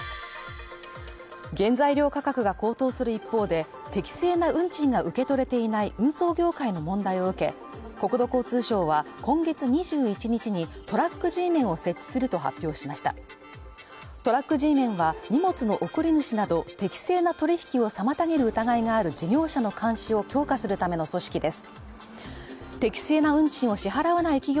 原材料価格が高騰する一方で、適正な運賃が受け取れていない運送業界の問題を受け、国土交通省は今月２１日にトラックＧメンを設置すると発表しましたトラックＧメンは荷物の送り主など、適正な取引を妨げる疑いがある事業者の監視を強化するための組織です。